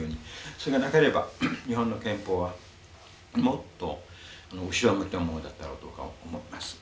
それがなければ日本の憲法はもっと後ろ向きなものだったろうと僕は思います。